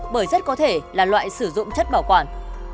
bởi rất có thể là loại sử dụng chất bảo quản